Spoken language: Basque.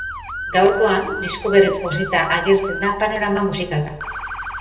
Gaurkoan, disko berriz josita agertzen da panorama musikala.